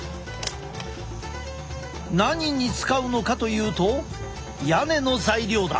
何に使うのかというと屋根の材料だ。